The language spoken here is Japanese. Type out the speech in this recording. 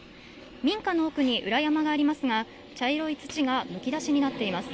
民家の奥に裏山がありますが茶色い土がむき出しになっています